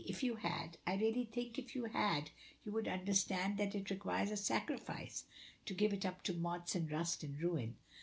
"If you had I really think if you had you would understand that it requires a sacrifice to give it up to moths and rust and ruin."